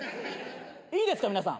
いいですか皆さん。